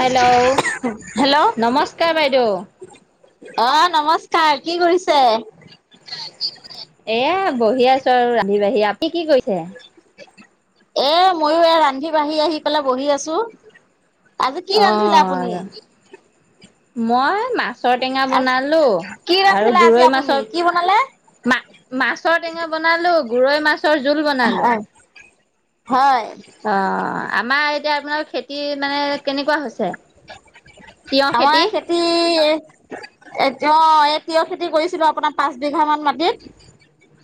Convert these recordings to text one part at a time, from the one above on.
Hello, নমস্কাৰ বাইদেউ। আহ, নমস্কাৰ কি কৰিছে। এইয়া বহি আছো আৰু ৰান্ধি বাঢ়ি আপুনি কি কৰিছে। এ মইো এ ৰান্ধি বাঢ়ি আহি পেলাই বহি আছো। আজি কি অ ৰান্ধিলে আপুনি? মই মাছৰ টেঙা আজ বনালো কি আৰু ৰান্ধিলে আজি গৰৈ আপুনি মাছৰ কি বনালে? মা মাছৰ টেঙা বনালো গৰৈ মাছৰ জোল বনালো। হয় অ', আমাৰ এতিয়া আপোনাৰ খেতি মানে কেনেকুৱা হৈছে? আমাৰ খেতি এটো এ তিয়হ খেতি কৰিছিলো আপোনাৰ পাঁচ বিঘা মান মাটিত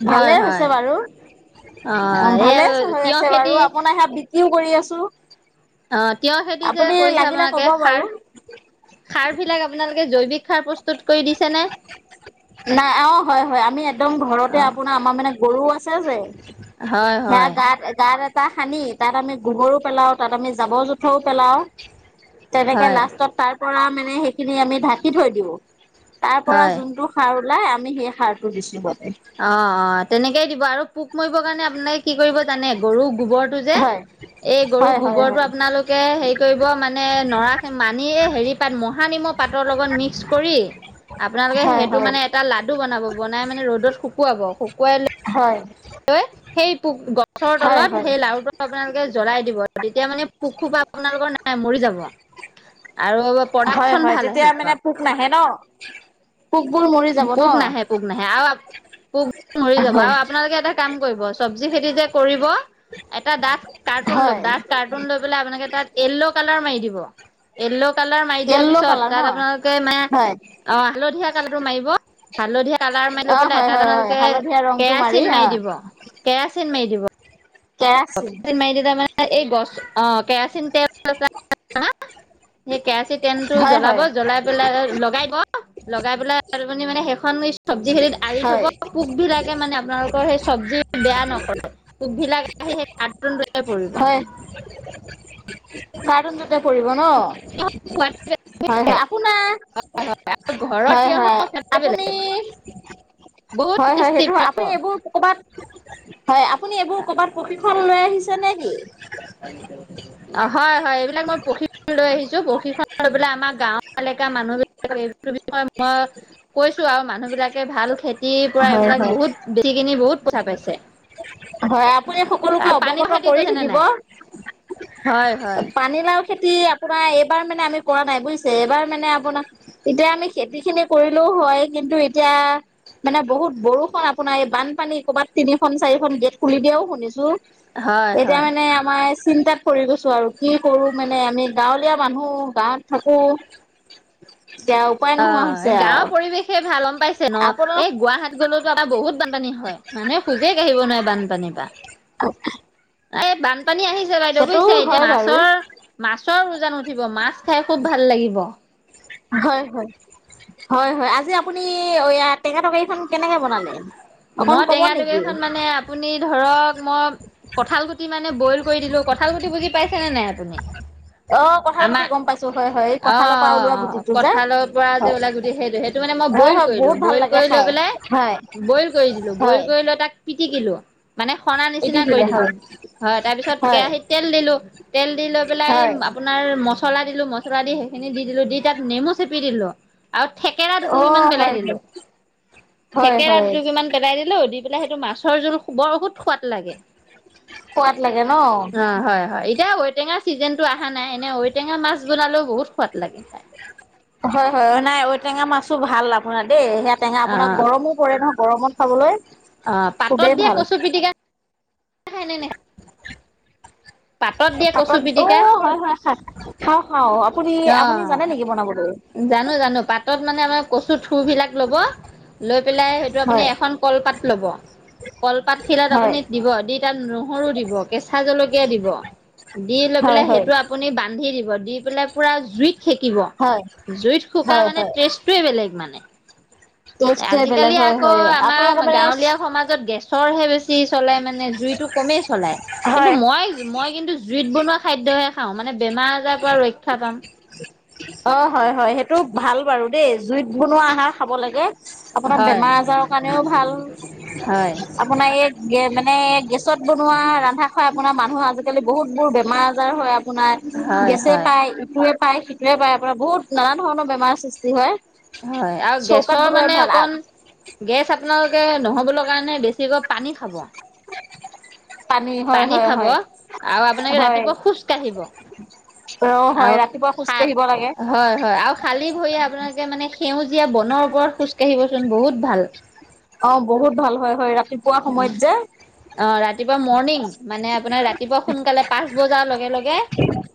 হয় ভালে হয় হৈছে বাৰু অ', এই ভালে হৈ তিয়হ আছে খেতি বাৰু আপোনাৰ সে ক কৰি আছো। অ', তিয়ঁহ খেতি যে আপুনি কৈছে লাগিলে আপোনালোকে ক'ব সাৰ বাৰু। সাৰ বিলাক আপোনালোকে জৈৱিক সাৰ প্ৰস্তুত কৰি দিছেনে নাই অ', হয় হয় আমি একদম ঘৰতে অ আপোনাৰ আমাৰ মানে গৰু আছে যে হয় সেয়া হয় গাত গাত তাহ সানি তাত আমি গোবৰো পেলাও তাত আমি জাবৰ জোথৰও পেলাওঁ। তেনেকে হয় লাষ্টত তাৰ পৰা মানে সেইখিনি আমি ঢাকি থৈ দিওঁ। তাৰ পৰা হয় যোনটো সাৰ ওলাই আমি সেই সাৰটো দিছো গ অ', অ', তেনেকেই দিব আৰু পোক মৰিব কাৰণে আপোনাকে কি কৰিব জানে গৰু গোবৰটো যে হয় এই গৰু হয় হয় গোবৰটো আপোনালোকে হেৰি কৰিব মানে নৰা মানে এই হেৰি পাত মহা নিম ম পাতৰ লগত মিক্স কৰি আপোনালোকে হয় সেইটো হয় মানে এটা লাড়ু বনাব বনাই মানে ৰ'দত শুকুৱাই ল'। হয় হয় লৈ সেই পোক গছৰ হয় তলত হয় সেই লাৰুটো আপোনালোকে জ্বলাই দিব তেতিয়া মানে পোক খোপা। আপোনালোকৰ নাই মৰি যাব। আৰু হয় প্ৰডাকচন হয় ভাল তেতিয়া আহিব মানে পোক আপোনালোকৰ। নাহে ন পোকবোৰ মৰি যাব ন পোক নাহে পোক নাহে আৰু পোক মৰি যাব হয় আৰু আপোনালোকে এটা কাম কৰিব চব্জি খেতি যে কৰিব এটা ডাঠ কাৰৰ্টোন লওক হয় ডাঠ কাৰটোন লৈ বেলে আপোনালোকে টাত য়েল্ল কালাৰ মাৰি দিব। কালাৰ মাৰি দিয়াৰ য়েল্ল' পিছত কালাৰ ন তাত আপোনালোকে মানে হয় অ', হালধীয়া কালাৰটো মাৰিব। হালধীয়া কালাৰ মাৰি লৈ অ পেলাই হয় তাত হয় হয় আপোনালোকে হালধীয়া ৰংটো কেৰাচিন অ মাৰি দিব কেৰাচিন মাৰি দিব। কেৰাচিন। মাৰি দিলে মানে এই গছ অ', কেৰাচিন তেল আ হা [unintelligible] কেৰাচীন তেলটো হয় জ্বলাব হয় জ্বলাই পেলাই লগাই লগাই পেলাই তপ মানে শেষ খন চব্জি খেতিত আৰি থ'ব। হয় পোক বিলাকে মানে আপোনালোকৰ সেই চব্জি বেয়া নকৰে। পোক িলা আহি সেই কাৰ্টুনটো পৰিব কাৰ্টুনটোতে পৰিব ন হয় হয় আপোোনাৰ ঘৰত হয় তিয়হৰ হয় সোৱাদে আপুনি বেলেগ বহুত হয় হয় টেষ্টি সেইটো হয় পাব আপুনি এইবোৰ কৰবাত হয় আপুনি এইবোৰ কৰবাত কপি ফল লৈ আহিছে নেকি অ' হয় হয় এইবিলাক মই পঢ়ি লৈ আহিছো প্ৰশিক্ষণ লৈলে আমাৰ গাঁও এলেকা মানুহ বিলাক এই বিষয়ে মই কৈছো আৰু মানুহ বিলাকে ভাল খেতিৰ পৰা হয় এইবিলাক হয় বহুত বেচি কিনি বহুত পইথাা পাইছে হয় আপুনি সকলোকে আৰু পানীৰ অৱগত খেতি কৰি কৰিছে নে থাকিব নাই হয় হয় পানীলাও খেতি আপোনাৰ এইবাৰ মানে আমি কৰা নাই বুজিছে এইবাৰ মানে আপোনাৰ এতিয়া আমি খেতি খিনি কৰিলো হয় কিন্তু এতিয়া মানে বহুত বৰষুণ আপোনাৰ এই বানপানী ক'বাত তিনিখন চাৰিখন গেট খুলি দিয়াও শুনিছো হয় এতিয়া হয় মানে আমাৰ চিন্তাত পৰি গৈছো আৰু কি কৰো মানে আমি গাঁৱলীয়া মানুহ গাঁৱত থাকো এতিয়া উপায় নোহোৱা অ', হৈছে গাঁৱৰ আৰু পৰিৱেশে ভাল গম পাইছে ন। আপোনাৰ এই গুৱাহাট গ'লতো এটা বহুত বানপানী হয়। মানে খোজে কাঢ়িব নোৱাই বানপানীত অ' এই বানপানী আহিছে বাইদেউ বুজিছে এতিয়া বাৰু মাছৰ মাছৰ উজান উ মাছ খাই খুব ভাল লাগিব হয় হয় হয় হয় আজি আপুনিয়া টেঙা তৰকাৰীখন কেনেকে বনালে অকন মই কব নেকি টেঙাটকেইখন মানে আপুনি ধৰক মই কঁঠাল গুটি মানে বইল কৰি দিলো কঁঠাল গুটি বুজি পাইছেনেে নাই আপুনি অ কঁঠাল গুটি আমাৰ গম পাইছো হয় হয় এই অ অ কঁঠালৰ পৰা ওলোৱা অ গুটিটো যে কঠালৰ পৰা যে হয় ওলাই গোট সেইটোহে ম ব হয় হয় বহুত ভাল লাগে খাই হয় ব ব দিলোঁ। বইল হয় কৰি লৈ তাক পিটিকিলো। মানে সনা নিচিনা কৰি পিটিকিলে দিলোঁ। হয় হয় তাৰপিছত হয় কেৰাহিতত তেল দিলো তেল দি লৈ পেলাই হয় আপোনাৰ মলা মচলা দিলো মছলা দি সেইখিনি দি দিলো দি তাত নেমু চেপি দিলো আৰু থেকেৰা অ দু-টোপিমান পেলাই হয় হয় দিলোঁ। হয় থেকেৰা হয় টো কিমান পেলাই দিলোঁ। দি পেলাই সেইটো মাছৰ জোল, বহুত সোৱাদ লাগে। সোৱাদ লাগে ন? অ হয় হয় এতিয়া ঔটেঙাৰ ছিজনটো অহা নাই এনে ঔটেঙা মাছ বনালেও বহুত সোৱাদ লাগে খাই হয় হয় নাই ঔটেঙা মাছো ভাল আপোনাৰ দেই সেয়া টেঙা আপোনাক অ গৰমো পৰে নহয় গৰমত খাবলৈ অ' পাতত খুবেই দিয়া ভাল কচু পিটিকা খ ন নাই পাপত। অ', পিটিকা হয় হয় খাত। খাওঁ খাওঁ। পুনি অ আপুনি জানে নেকি বনাবলৈ? তত মানে অলপ কচু থুৰ বিলাক ল'ব। লৈ পেলাই সেইটো আপুনি হয় এখন কলপাত ল'ব। কলপাত খিলাত হয় আপুনি দিব দি তাত নহৰু দিব কেঁ জ দিব দি লৈ হয় পেলাই হয় সেইটো আপুনি বান্ধি দিব দি পেলাই পুৰা জুই শেকিব হয় জুইত শুকা হয় মানে টেষ্টটোৱে বেলেগ মানে ন আজিকালি আকৌ আমাৰ গাঁৱলীয়া সমাজত গেছৰহে বেছি চলে মানে জুইটো কমেই চলাই। কিন্তু হয় মই মই কিন্তু জুইত বনোৱা খাদ্যয়ে খাওঁ মানে বেমাৰ আজাৰ পৰা ৰক্ষা পাম অ' হয় হয় সেইটো ভাল বাৰু দেই জুইত বনোৱা আহাৰ খাব লাগে আপোনাৰ হয় বেমাৰ আজাৰৰ কাৰণেও ভাল হয় আপোনাৰ এই মানে গেছত বনোৱা ৰন্ধা খোৱা আপোনাৰ মানুহ আজিকালি বহুত বহুত বোৰ বেমাৰ আজাৰ হয় আপোনাৰ হয় গেছে হয় পায় ইটোয়ে পায় ইটোৱেই পাই। আপোনাৰ বহুত নানান ধৰণৰ বেমাৰ সৃষ্টি হয় হয় আৰু চৌকাত গেছৰ বনোৱাই মানে ভাল অকন গেছ আপোনালোকে নহ'ব লগা কাৰণে বেছিকৈ পানী খাব [unintelligible] হয় পানী হয় খাব হয় আৰু আপোনালোকে হয় ৰাতিপুৱা খোজ কাঢ়িব। অ হয় আৰু ৰাতিপুৱা খোজ কাঢ়িব লাগে হয়, হয় আৰু খালি ভৰি আপোনালোকে মানে সেউজীয়া যেতিয়া বনৰ ওপৰত খোজ কাঢ়িব চোন বহুত ভাল অহ, বহুত ভাল হয়, হয় ৰাতিপুৱা সময়ত যে অ ৰাতিপুৱা মৰ্ণিং মানে আপোনাৰ ৰাতিপুৱা সোনকালে পাঁচ বজাৰ লগে লগে লগে, লগে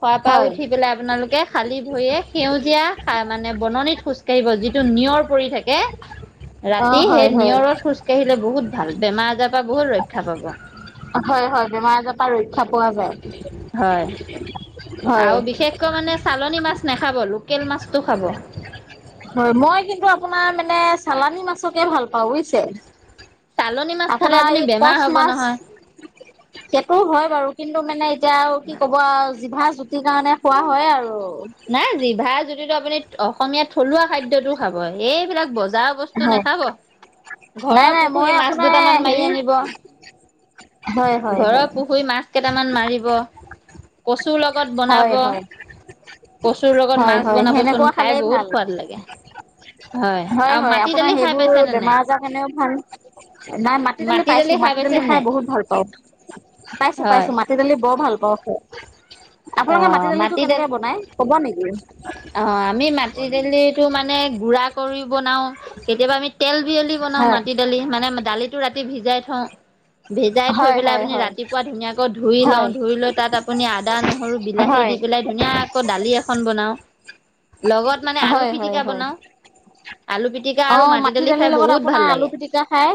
শোৱাৰ পৰা হয় উঠি পেলাই আপোনালোকে খালী ভৰিয়ে সেউজীয়া মানে বননিত খোজ কঢ়িব যিটো মানে নিয়ৰ পৰি থাকে অ ৰাতি হয় সেই হয় নিয়ৰত খোজ কাঢ়িলে বহুত ভাল বেমাৰ আজাৰ পৰা বহুত ৰক্ষা পাব হয়, হয় বেমাৰ আজাৰ পৰা ৰক্ষা পোৱা যায়। হয়, হয় আৰু বিশেষকৈ মানে চালানী মাছ নাখাব লোকেল মাছটো খাব। হয়, মই কিন্তু আপোনাৰ মানে চালানী মাছকে ভাল পাওঁ বুজছে। চালনী মাছ খালে আপোনাৰ আপুনি এই বেমাৰ ক'চ হ'ব মাছ নহয় সেইটো হয় বাৰু কিন্তু মানে এতিয়া আৰু কি ক'ব জিভা জুতিৰ কাৰণে খোৱা হয় আৰু যটো আপুনি অসমীয়া থলুৱা খাদ্য টো খাব এইবিলাক বস্তু যা বস্তু নাখাব নাই ঘৰৰ নাই পুখুৰী মই মাছ আপোনাৰ দুটামান মাৰি হেৰি আনিব হয় হয় ঘৰৰ হয় পুখুৰী মাছ কেইটামান মাৰিব কচুৰ লগত বনাব হয় হয় কচুৰ লগত হয় মাছ হয় বনাবচোন সেনেকুৱা খাই খালেই ভাল বহুত সোৱাদ লাগে হয়, আৰু হয় মাটি আপোনাৰ দালি খাই সেইবোৰ পাইছে নে বেমাৰ নাই আজাৰৰ কাৰণেও ভাল নাই মাটি দালি পাইছো। মাটি দালি খাই বহুত ভাল পাওঁ। পাইছো, হয় পাইছো মাটি দালি বৰ ভাল পাওঁ। অহ, আপোনালোকে মাটি অ দালিটো কেনেকে বনাই ক'ব নেকি অহ, আমি মাটি দালিটো মানে গুড়া কৰি বনাও কেতিয়াবা আমি তেল বিয়লি বনাও হয় মাটি দালি মানে দালিটো ৰাতি ভিজাই থওঁ ভিজাই থৈ হয় পেলাই হয় আপুনি হয় ৰাতিপুৱা ধুনীয়াকৈ ধুই লওঁ হয় ধুই লৈ তাত আপুনি আদা নহৰু বিলাহী দি হয় দি পেলাই ধুনীয়া আকৌ দালি এখন বনাও লগত মানে আলু পিটিকা বনাও আলু পিটিকা আৰু অহ, মাটি দালি -দালিৰ খাই লগত বহুত ভাল আপোনাৰ আলু লাগে। পিটিকা খাই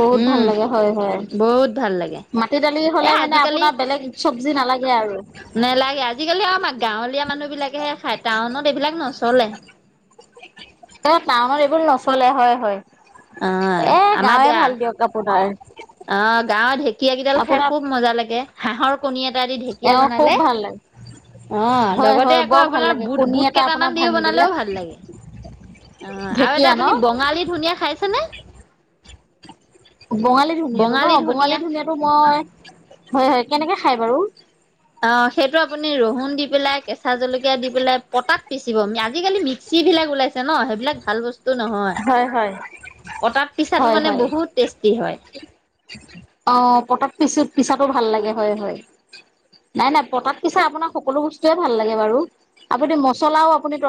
বহুত ভাল উম, লাগে হয়, হয় বহুত ভাল লাগে। মাটি -দালি এ হলে মানে আজিকালি আপোনাৰ বেলেগ চবজি নালাগে। আৰু নেলাগে আজিকালি আৰু আমাৰ গাঁৱলীয়া মানুহ। বিলাকেহে খাই টাউনত এইবিলাক নচলে টাউনত এইবোৰ নচলে হয়, হয় অ', এ গাঁৱে ভাল দিয়ক কাপোৰ তাৰ অহ, গাঁৱৰ ঢেঁকীয়া কেইডাল খাই খুব মজা লাগে হাঁহৰ কণী এটা দি এ ঢেঁকীয়া খুব বনালে ভাল লাগে অহ, হয় লগতে হয় আকৌ বৰ ভাল আপোনাৰ লাগে বুট, কণী বুট এটা আপোনাৰ কেইটামান দিও ভাঙি দিলে বনালেও ভাল লাগে। অহ, আৰু ঢেকীয়া এটা আপুনি ন বঙালী ধনীয়া খাইছেনে বঙালী ধনিয়া টো ন বঙালী ধনিয়াটো মই হয়, হয় কেনেকে খাই বাৰু? অ', সেইটো আপুনি ৰহুন দি পেলাই কেঁচা জলকীয়া দি পেলাই পতাত পিচিব আজিকালি মিক্সিত বিলাক ওলাইছে ন সেইবিলাক ভাল বস্তু। বস্তু নহয় হয় হয় পটাত পিছাটো হয় মানে বহুত টেষ্টি হয় অহ, পটাত পিছাটো ভাল লাগে হয় হয় নাই নাই। পতাত পিচা আপোনাৰ সকলো বস্তুয়ে ভাল লাগে বাৰু। আপুনি মচলাও আপুনি প